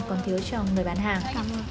còn thiếu cho người bán hàng